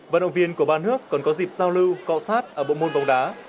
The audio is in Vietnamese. vận động viên của ba nước còn có dịp giao lưu cọ sát ở bộ môn bóng đá